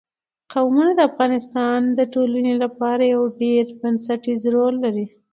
قومونه د افغانستان د ټولنې لپاره یو ډېر بنسټيز رول لري.